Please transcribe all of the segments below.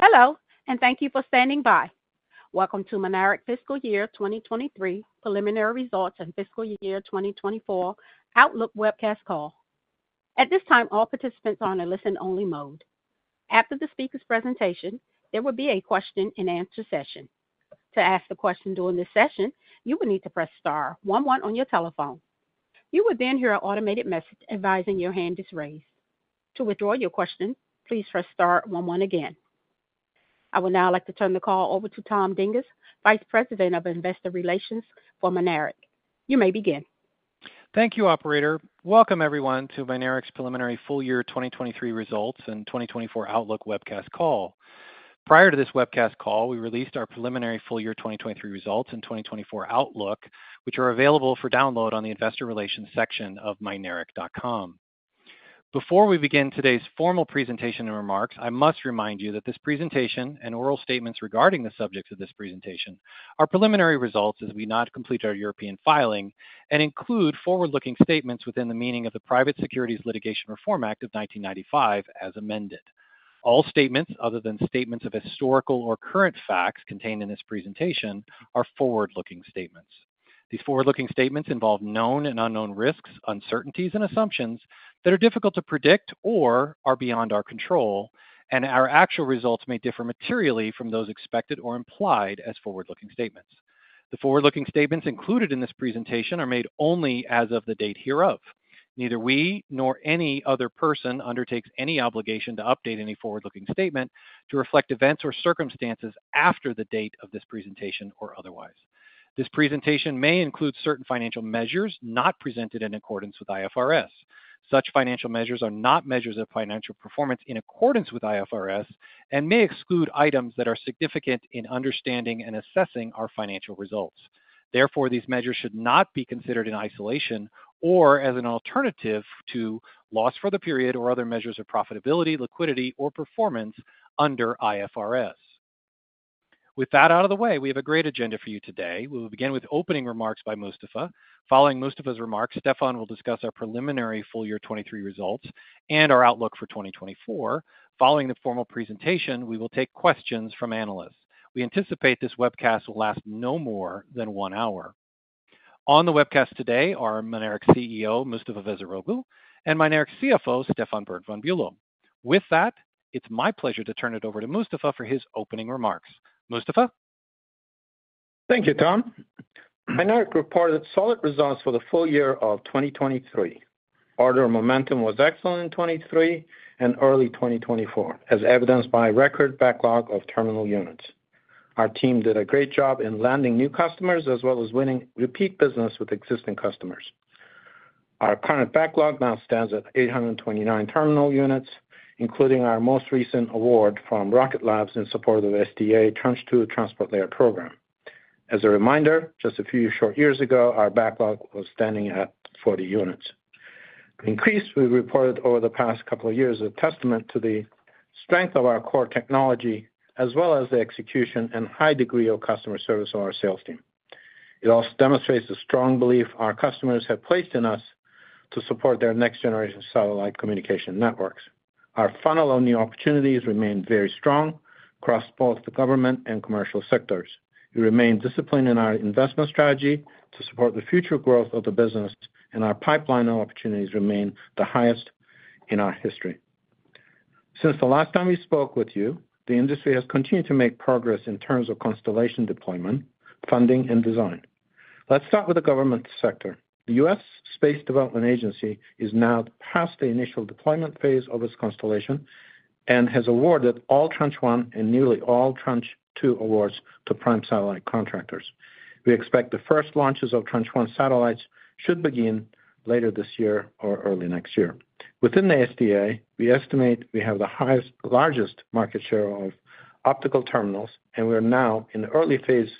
Hello, and thank you for standing by. Welcome to Mynaric Fiscal Year 2023 Preliminary Results and Fiscal Year 2024 Outlook webcast call. At this time, all participants are in a listen-only mode. After the speaker's presentation, there will be a question-and-answer session. To ask a question during this session, you will need to press star 11 on your telephone. You will then hear an automated message advising your hand is raised. To withdraw your question, please press star 11 again. I would now like to turn the call over to Tom Dinges, Vice President of Investor Relations for Mynaric. You may begin. Thank you, Operator. Welcome, everyone, to Mynaric's Preliminary Full Year 2023 Results and 2024 Outlook webcast call. Prior to this webcast call, we released our Preliminary Full Year 2023 Results and 2024 Outlook, which are available for download on the Investor Relations section of mynaric.com. Before we begin today's formal presentation and remarks, I must remind you that this presentation and oral statements regarding the subjects of this presentation are preliminary results, as we have not completed our European filing, and include forward-looking statements within the meaning of the Private Securities Litigation Reform Act of 1995 as amended. All statements other than statements of historical or current facts contained in this presentation are forward-looking statements. These forward-looking statements involve known and unknown risks, uncertainties, and assumptions that are difficult to predict or are beyond our control, and our actual results may differ materially from those expected or implied as forward-looking statements. The forward-looking statements included in this presentation are made only as of the date hereof. Neither we nor any other person undertakes any obligation to update any forward-looking statement to reflect events or circumstances after the date of this presentation or otherwise. This presentation may include certain financial measures not presented in accordance with IFRS. Such financial measures are not measures of financial performance in accordance with IFRS and may exclude items that are significant in understanding and assessing our financial results. Therefore, these measures should not be considered in isolation or as an alternative to loss for the period or other measures of profitability, liquidity, or performance under IFRS. With that out of the way, we have a great agenda for you today. We will begin with opening remarks by Mustafa. Following Mustafa's remarks, Stefan will discuss our Preliminary Full Year 2023 Results and our Outlook for 2024. Following the formal presentation, we will take questions from analysts. We anticipate this webcast will last no more than one hour. On the webcast today are Mynaric CEO Mustafa Veziroglu and Mynaric CFO Stefan Berndt-von Bülow. With that, it's my pleasure to turn it over to Mustafa for his opening remarks. Mustafa? Thank you, Tom. Mynaric reported solid results for the full year of 2023. Order momentum was excellent in 2023 and early 2024, as evidenced by a record backlog of terminal units. Our team did a great job in landing new customers as well as winning repeat business with existing customers. Our current backlog now stands at 829 terminal units, including our most recent award from Rocket Lab in support of SDA Tranche 2 Transport Layer program. As a reminder, just a few short years ago, our backlog was standing at 40 units. The increase we reported over the past couple of years is a testament to the strength of our core technology as well as the execution and high degree of customer service of our sales team. It also demonstrates the strong belief our customers have placed in us to support their next generation satellite communication networks. Our funnel of new opportunities remained very strong across both the government and commercial sectors. We remain disciplined in our investment strategy to support the future growth of the business, and our pipeline of opportunities remain the highest in our history. Since the last time we spoke with you, the industry has continued to make progress in terms of constellation deployment, funding, and design. Let's start with the government sector. The U.S. Space Development Agency is now past the initial deployment phase of its constellation and has awarded all Tranche 1 and nearly all Tranche 2 awards to prime satellite contractors. We expect the first launches of Tranche 1 satellites should begin later this year or early next year. Within the SDA, we estimate we have the largest market share of optical terminals, and we are now in the early phase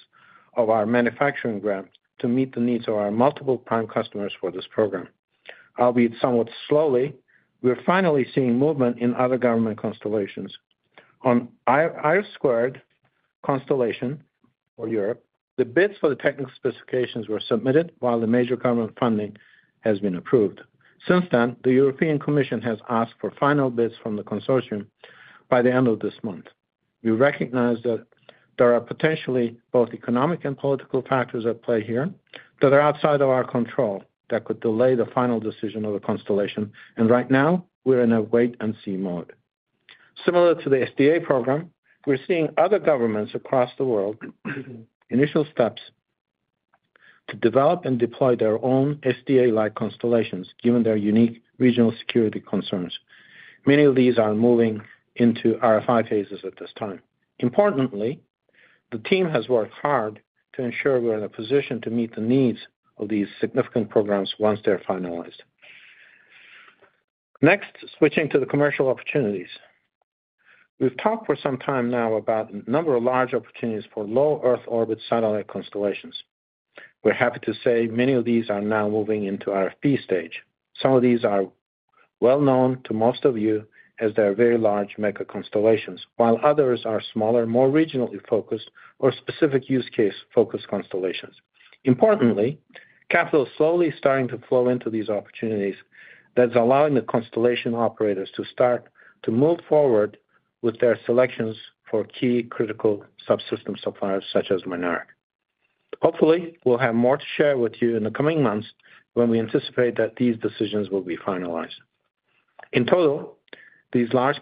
of our manufacturing ramp to meet the needs of our multiple prime customers for this program. Albeit somewhat slowly, we are finally seeing movement in other government constellations. On IRIS² constellation for Europe, the bids for the technical specifications were submitted while the major government funding has been approved. Since then, the European Commission has asked for final bids from the consortium by the end of this month. We recognize that there are potentially both economic and political factors at play here that are outside of our control that could delay the final decision of the constellation, and right now, we're in a wait-and-see mode. Similar to the SDA program, we're seeing other governments across the world taking initial steps to develop and deploy their own SDA-like constellations given their unique regional security concerns. Many of these are moving into RFI phases at this time. Importantly, the team has worked hard to ensure we're in a position to meet the needs of these significant programs once they're finalized. Next, switching to the commercial opportunities. We've talked for some time now about a number of large opportunities for low Earth orbit satellite constellations. We're happy to say many of these are now moving into RFP stage. Some of these are well known to most of you as they're very large mega constellations, while others are smaller, more regionally focused, or specific use case focused constellations. Importantly, capital is slowly starting to flow into these opportunities that's allowing the constellation operators to start to move forward with their selections for key critical subsystem suppliers such as Mynaric. Hopefully, we'll have more to share with you in the coming months when we anticipate that these decisions will be finalized. In total, these large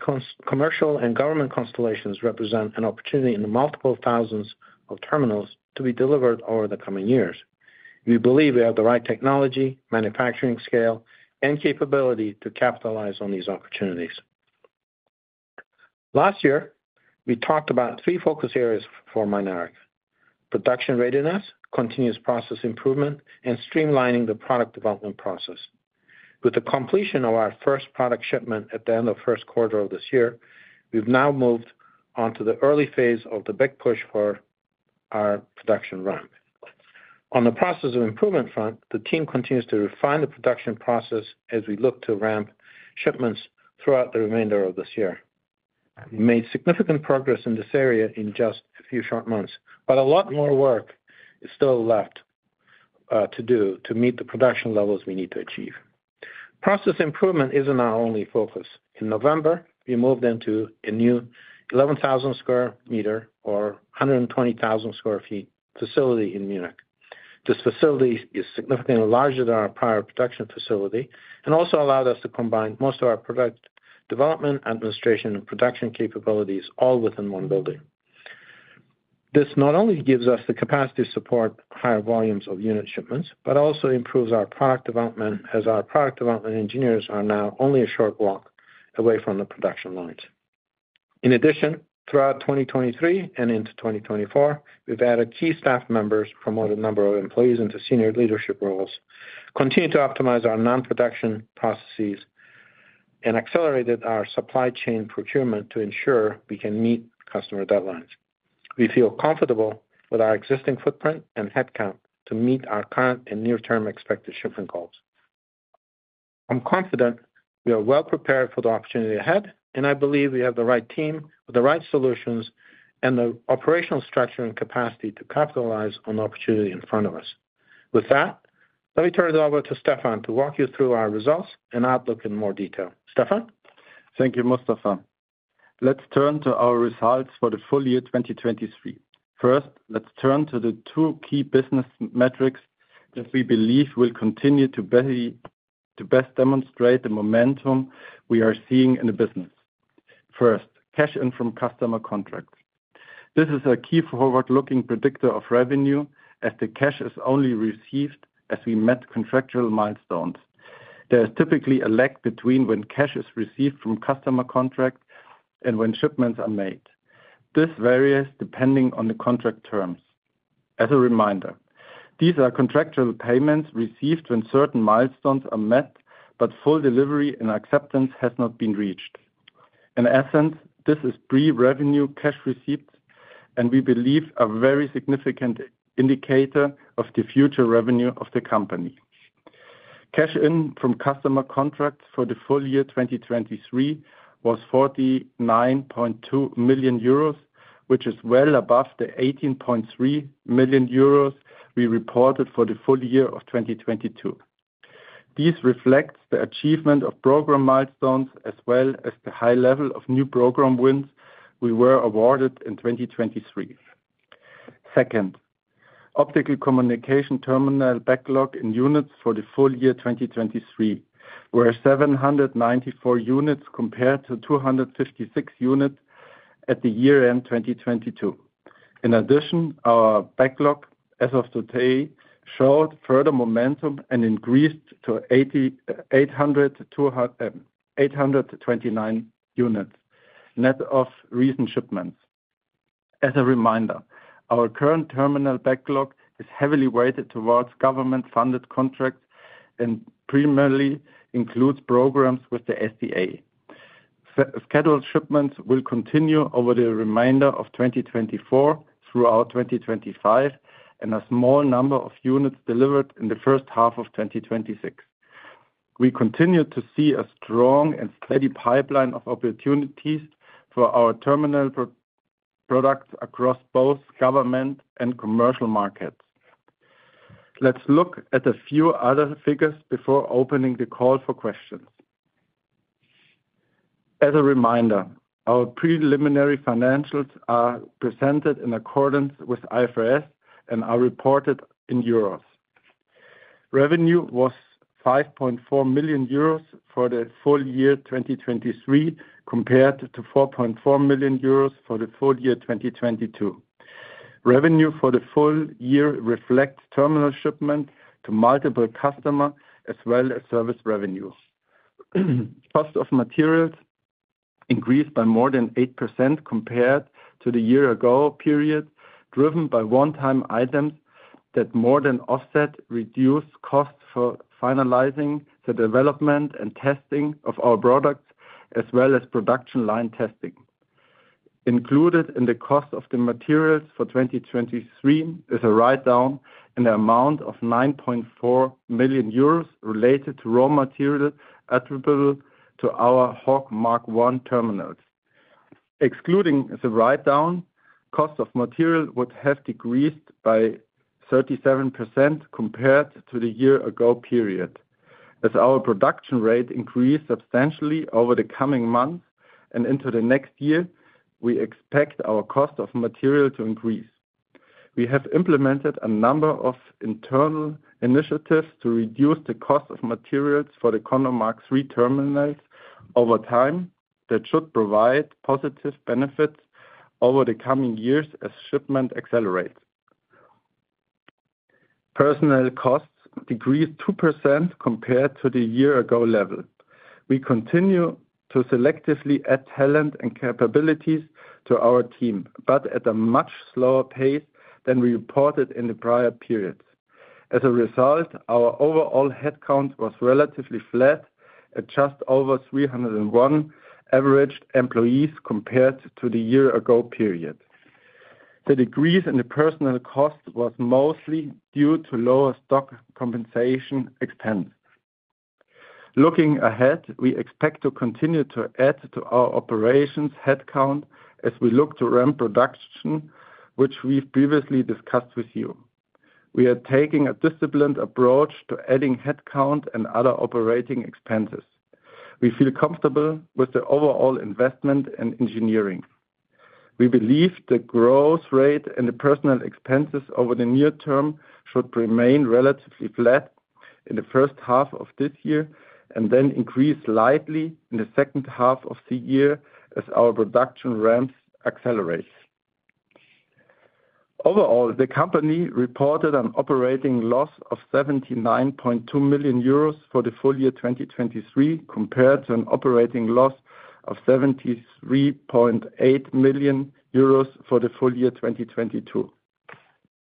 commercial and government constellations represent an opportunity in the multiple thousands of terminals to be delivered over the coming years. We believe we have the right technology, manufacturing scale, and capability to capitalize on these opportunities. Last year, we talked about three focus areas for Mynaric: production readiness, continuous process improvement, and streamlining the product development process. With the completion of our first product shipment at the end of the first quarter of this year, we've now moved on to the early phase of the big push for our production ramp. On the process of improvement front, the team continues to refine the production process as we look to ramp shipments throughout the remainder of this year. We made significant progress in this area in just a few short months, but a lot more work is still left to do to meet the production levels we need to achieve. Process improvement isn't our only focus. In November, we moved into a new 11,000 square meter or 120,000 square feet facility in Munich. This facility is significantly larger than our prior production facility and also allowed us to combine most of our product development, administration, and production capabilities all within one building. This not only gives us the capacity to support higher volumes of unit shipments, but also improves our product development as our product development engineers are now only a short walk away from the production lines. In addition, throughout 2023 and into 2024, we've added key staff members, promoted a number of employees into senior leadership roles, continued to optimize our non-production processes, and accelerated our supply chain procurement to ensure we can meet customer deadlines. We feel comfortable with our existing footprint and headcount to meet our current and near-term expected shipment goals. I'm confident we are well prepared for the opportunity ahead, and I believe we have the right team with the right solutions and the operational structure and capacity to capitalize on the opportunity in front of us. With that, let me turn it over to Stefan to walk you through our results and outlook in more detail. Stefan? Thank you, Mustafa. Let's turn to our results for the full year 2023. First, let's turn to the two key business metrics that we believe will continue to best demonstrate the momentum we are seeing in the business. First, cash in from customer contracts. This is a key forward-looking predictor of revenue as the cash is only received as we met contractual milestones. There is typically a lag between when cash is received from customer contracts and when shipments are made. This varies depending on the contract terms. As a reminder, these are contractual payments received when certain milestones are met, but full delivery and acceptance has not been reached. In essence, this is pre-revenue cash receipts, and we believe a very significant indicator of the future revenue of the company. Cash in from customer contracts for the full year 2023 was 49.2 million euros, which is well above the 18.3 million euros we reported for the full year of 2022. This reflects the achievement of program milestones as well as the high level of new program wins we were awarded in 2023. Second, optical communication terminal backlog in units for the full year 2023, where 794 units compared to 256 units at the year-end 2022. In addition, our backlog as of today showed further momentum and increased to 829 units net of recent shipments. As a reminder, our current terminal backlog is heavily weighted towards government-funded contracts and primarily includes programs with the SDA. Scheduled shipments will continue over the remainder of 2024 through 2025 and a small number of units delivered in the first half of 2026. We continue to see a strong and steady pipeline of opportunities for our terminal products across both government and commercial markets. Let's look at a few other figures before opening the call for questions. As a reminder, our preliminary financials are presented in accordance with IFRS and are reported in euros. Revenue was 5.4 million euros for the full year 2023 compared to 4.4 million euros for the full year 2022. Revenue for the full year reflects terminal shipment to multiple customers as well as service revenue. Cost of materials increased by more than 8% compared to the year-ago period, driven by one-time items that more than offset reduced costs for finalizing the development and testing of our products as well as production line testing. Included in the cost of the materials for 2023 is a write-down in the amount of 9.4 million euros related to raw material attributable to our HAWK Mk1 terminals. Excluding the write-down, cost of material would have decreased by 37% compared to the year-ago period. As our production rate increased substantially over the coming months and into the next year, we expect our cost of material to increase. We have implemented a number of internal initiatives to reduce the cost of materials for the CONDOR Mk3 terminals over time that should provide positive benefits over the coming years as shipment accelerates. Personnel costs decreased 2% compared to the year-ago level. We continue to selectively add talent and capabilities to our team, but at a much slower pace than we reported in the prior periods. As a result, our overall headcount was relatively flat at just over 301 averaged employees compared to the year-ago period. The decrease in the personnel cost was mostly due to lower stock compensation expense. Looking ahead, we expect to continue to add to our operations headcount as we look to ramp production, which we've previously discussed with you. We are taking a disciplined approach to adding headcount and other operating expenses. We feel comfortable with the overall investment and engineering. We believe the growth rate and the personal expenses over the near term should remain relatively flat in the first half of this year and then increase slightly in the second half of the year as our production ramps accelerates. Overall, the company reported an operating loss of 79.2 million euros for the full year 2023 compared to an operating loss of 73.8 million euros for the full year 2022,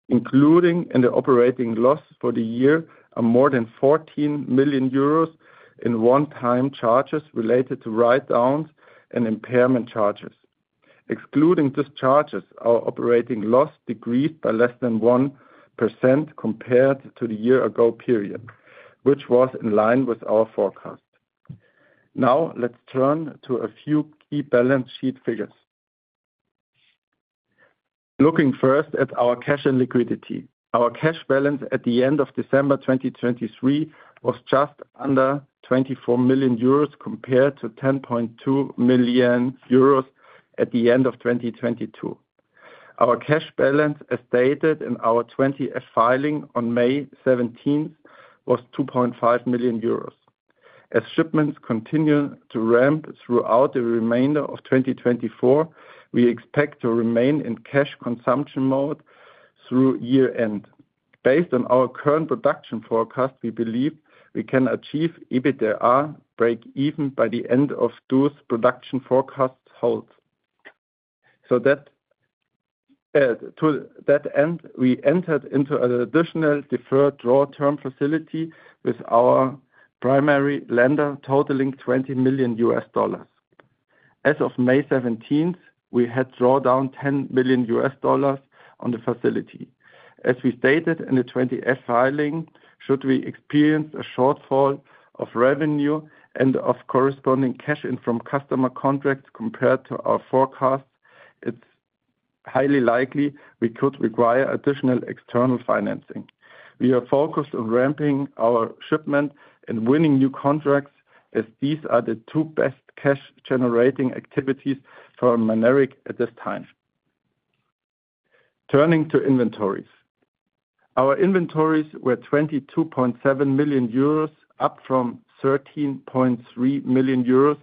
including in the operating loss for the year of more than 14 million euros in one-time charges related to write-downs and impairment charges. Excluding these charges, our operating loss decreased by less than 1% compared to the year-ago period, which was in line with our forecast. Now, let's turn to a few key balance sheet figures. Looking first at our cash and liquidity, our cash balance at the end of December 2023 was just under 24 million euros compared to 10.2 million euros at the end of 2022. Our cash balance as stated in our 20-F filing on May 17 was 2.5 million euros. As shipments continue to ramp throughout the remainder of 2024, we expect to remain in cash consumption mode through year-end. Based on our current production forecast, we believe we can achieve EBITDA break-even by the end of the year if those production forecasts hold. To that end, we entered into an additional deferred draw term facility with our primary lender totaling EUR 20 million. As of May 17, we had drawn down EUR 10 million on the facility. As we stated in the 20-F filing, should we experience a shortfall of revenue and of corresponding cash in from customer contracts compared to our forecasts, it's highly likely we could require additional external financing. We are focused on ramping our shipment and winning new contracts as these are the two best cash-generating activities for Mynaric at this time. Turning to inventories, our inventories were 22.7 million euros, up from 13.3 million euros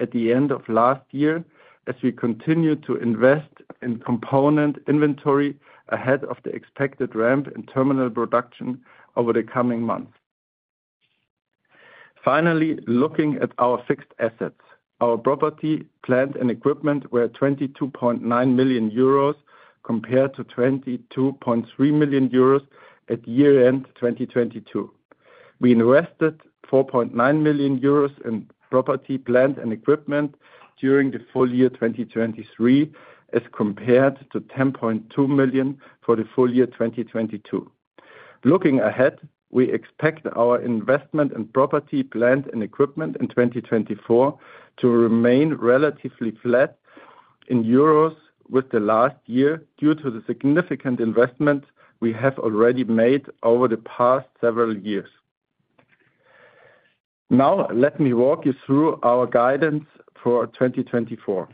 at the end of last year as we continue to invest in component inventory ahead of the expected ramp in terminal production over the coming months. Finally, looking at our fixed assets, our property, plant, and equipment were 22.9 million euros compared to 22.3 million euros at year-end 2022. We invested 4.9 million euros in property, plant, and equipment during the full year 2023 as compared to 10.2 million for the full year 2022. Looking ahead, we expect our investment in property, plant, and equipment in 2024 to remain relatively flat in euros with the last year due to the significant investment we have already made over the past several years. Now, let me walk you through our guidance for 2024.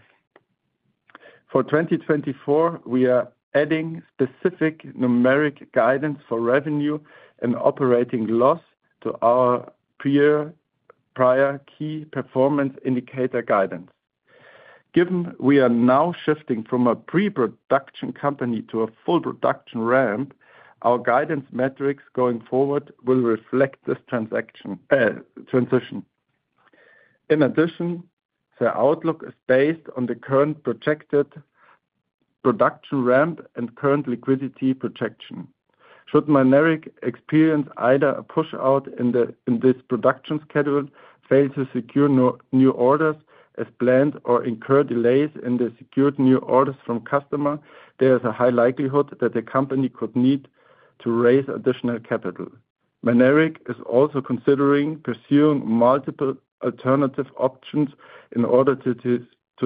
For 2024, we are adding specific numeric guidance for revenue and operating loss to our prior key performance indicator guidance. Given we are now shifting from a pre-production company to a full production ramp, our guidance metrics going forward will reflect this transition. In addition, the outlook is based on the current projected production ramp and current liquidity projection. Should Mynaric experience either a push-out in this production schedule, fail to secure new orders as planned, or incur delays in the secured new orders from customers, there is a high likelihood that the company could need to raise additional capital. Mynaric is also considering pursuing multiple alternative options in order to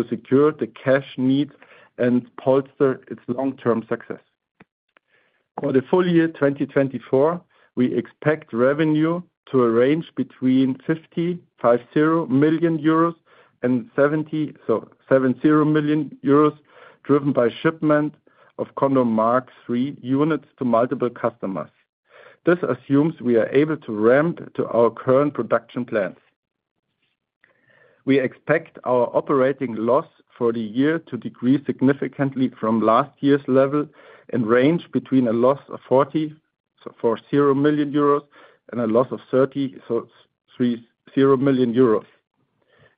secure the cash needs and bolster its long-term success. For the full year 2024, we expect revenue to range between 50 million euros and 70 million euros driven by shipment of CONDOR Mk3 units to multiple customers. This assumes we are able to ramp to our current production plans. We expect our operating loss for the year to decrease significantly from last year's level and range between a loss of 40 million euros and a loss of 30 million euros.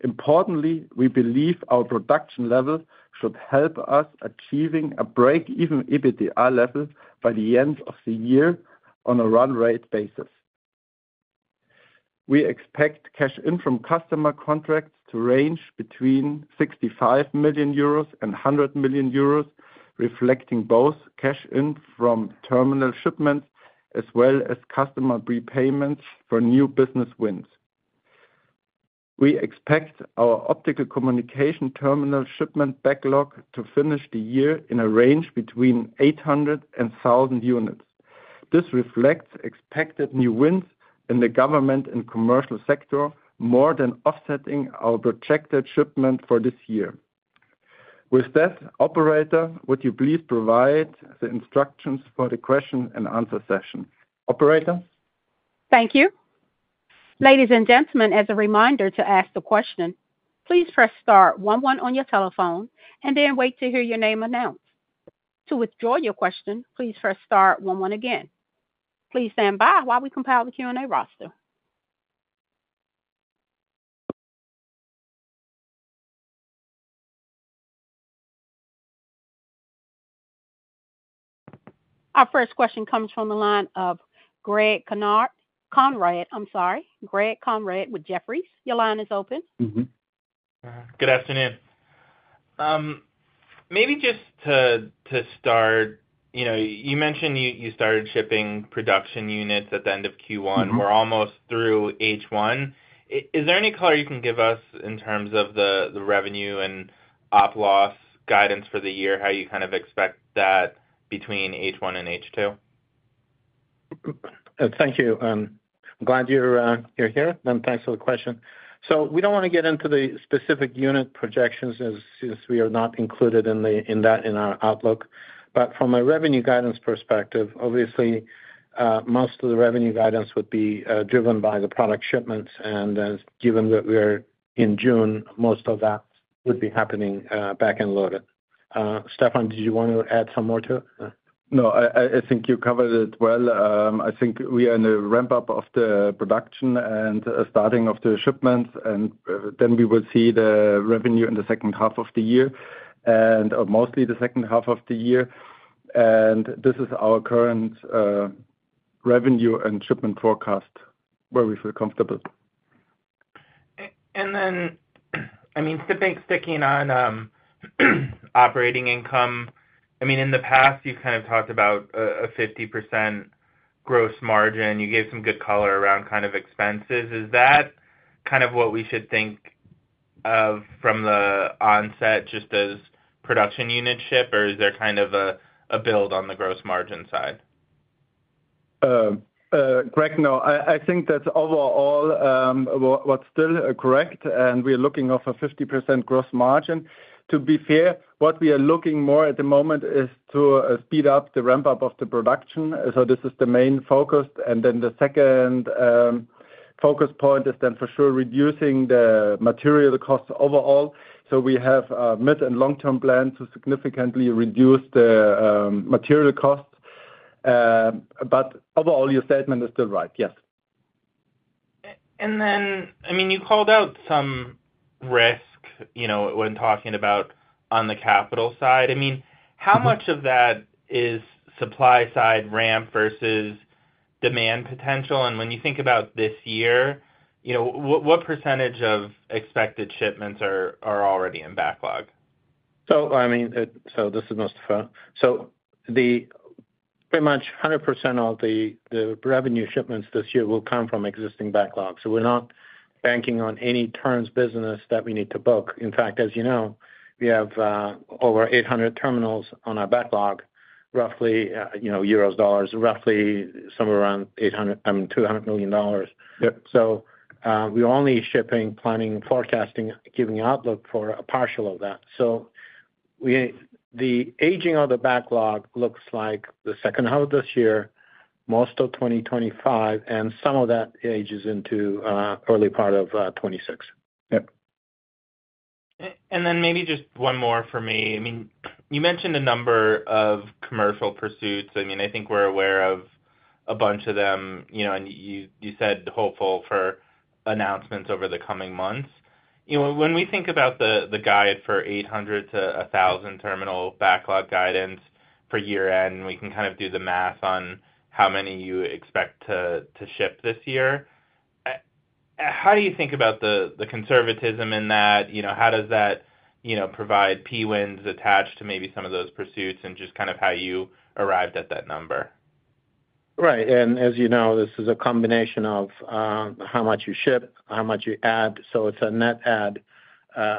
Importantly, we believe our production level should help us achieving a break-even EBITDA level by the end of the year on a run-rate basis. We expect cash in from customer contracts to range between 65 million euros and 100 million euros, reflecting both cash in from terminal shipments as well as customer prepayments for new business wins. We expect our optical communication terminal shipment backlog to finish the year in a range between 800 and 1,000 units. This reflects expected new wins in the government and commercial sector more than offsetting our projected shipment for this year. With that, Operator, would you please provide the instructions for the question and answer session? Operator? Thank you. Ladies and gentlemen, as a reminder to ask the question, please press star 11 on your telephone and then wait to hear your name announced. To withdraw your question, please press star 11 again. Please stand by while we compile the Q&A roster. Our first question comes from the line of Greg Konrad, I'm sorry, Greg Konrad with Jefferies. Your line is open. Good afternoon. Maybe just to start, you mentioned you started shipping production units at the end of Q1. We're almost through H1. Is there any color you can give us in terms of the revenue and op loss guidance for the year, how you kind of expect that between H1 and H2? Thank you. I'm glad you're here. Thanks for the question. We don't want to get into the specific unit projections since we are not included in that in our outlook. But from a revenue guidance perspective, obviously, most of the revenue guidance would be driven by the product shipments. Given that we're in June, most of that would be happening back-end loaded. Stefan, did you want to add some more to it? No, I think you covered it well. I think we are in the ramp-up of the production and starting of the shipments. Then we will see the revenue in the second half of the year and mostly the second half of the year. This is our current revenue and shipment forecast where we feel comfortable. And then, I mean, sticking on operating income, I mean, in the past, you kind of talked about a 50% gross margin. You gave some good color around kind of expenses. Is that kind of what we should think of from the onset just as production unit ship, or is there kind of a build on the gross margin side? Greg, no. I think that's overall what's still correct. We are looking for a 50% gross margin. To be fair, what we are looking more at the moment is to speed up the ramp-up of the production. This is the main focus. Then the second focus point is then for sure reducing the material costs overall. We have a mid- and long-term plan to significantly reduce the material costs. Overall, your statement is still right. Yes. And then, I mean, you called out some risk when talking about on the capital side. I mean, how much of that is supply-side ramp versus demand potential? And when you think about this year, what percentage of expected shipments are already in backlog? So I mean, so this is Mustafa. So pretty much 100% of the revenue shipments this year will come from existing backlog. So we're not banking on any turns business that we need to book. In fact, as you know, we have over 800 terminals on our backlog, roughly euros, dollars, roughly somewhere around 800, I mean, $200 million. So we're only shipping, planning, forecasting, giving outlook for a partial of that. So the aging of the backlog looks like the second half of this year, most of 2025, and some of that ages into early part of 2026. Yeah. And then maybe just one more for me. I mean, you mentioned a number of commercial pursuits. I mean, I think we're aware of a bunch of them. And you said hopeful for announcements over the coming months. When we think about the guide for 800-1,000 terminal backlog guidance for year-end, we can kind of do the math on how many you expect to ship this year. How do you think about the conservatism in that? How does that provide P-wins attached to maybe some of those pursuits and just kind of how you arrived at that number? Right. And as you know, this is a combination of how much you ship, how much you add. So it's a net add,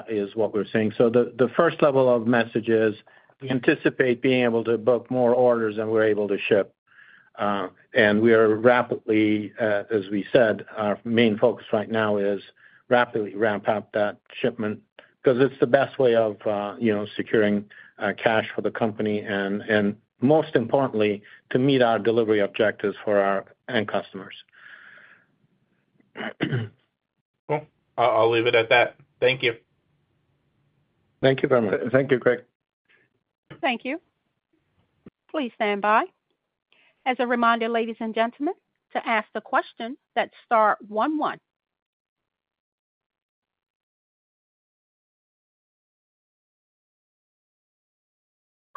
is what we're seeing. So the first level of message is we anticipate being able to book more orders than we're able to ship. And we are rapidly, as we said, our main focus right now is rapidly ramp up that shipment because it's the best way of securing cash for the company and, most importantly, to meet our delivery objectives for our end customers. Well, I'll leave it at that. Thank you. Thank you very much. Thank you, Greg. Thank you. Please stand by. As a reminder, ladies and gentlemen, to ask the question, that's star 11.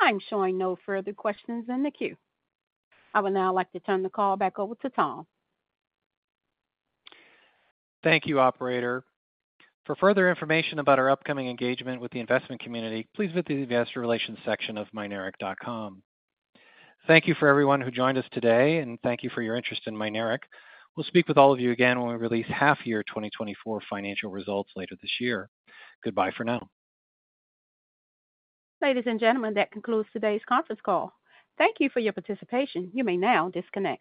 I'm showing no further questions in the queue. I would now like to turn the call back over to Tom. Thank you, Operator. For further information about our upcoming engagement with the investment community, please visit the investor relations section of mynaric.com. Thank you for everyone who joined us today, and thank you for your interest in Mynaric. We'll speak with all of you again when we release half-year 2024 financial results later this year. Goodbye for now. Ladies and gentlemen, that concludes today's conference call. Thank you for your participation. You may now disconnect.